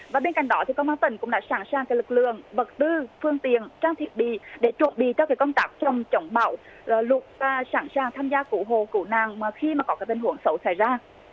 và bên cạnh đó thì công an tỉnh cũng đã sẵn sàng lực lượng bậc tư phương tiện trang thiện bị để chuẩn bị các công tác chống bạo lục và sẵn sàng tham gia cụ hồ cụ nàng khi có vấn đề xấu xảy ra